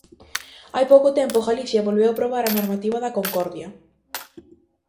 Hai pouco tempo Galicia volveu aprobar a normativa da concordia.